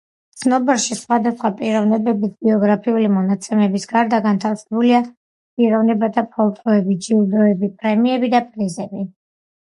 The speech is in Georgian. ცნობარში, სხვადასხვა პიროვნებების ბიოგრაფიული მონაცემების გარდა განთავსებულია პიროვნებათა ფოტოები, ჯილდოები, პრემიები და პრიზები.